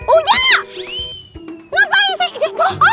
udah ngapain sih